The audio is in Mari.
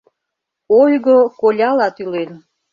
Ойго коляла тӱлен.